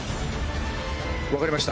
分かりました。